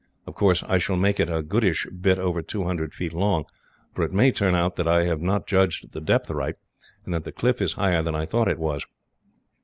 Of course, I shall make it a goodish bit over two hundred feet long, for it may turn out that I have not judged the depth right, and that the cliff is higher than I thought it was.